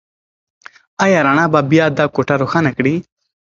ایا رڼا به بيا دا کوټه روښانه کړي؟